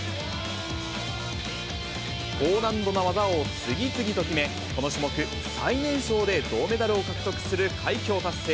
高難度な技を次々と決め、この種目最年少で銅メダルを獲得する快挙を達成。